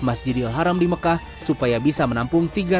masjidil haram di mekah supaya bisa menampung